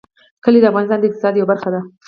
کلي د افغانستان د اقتصاد یوه برخه ده.